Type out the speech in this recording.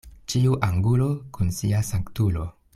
Ĉiu angulo kun sia sanktulo.